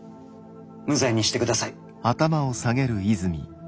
無罪にしてください。